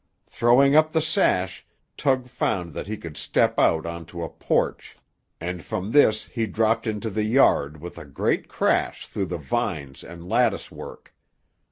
Throwing up the sash, Tug found that he could step out on to a porch, and from this he dropped into the yard with a great crash through the vines and lattice work.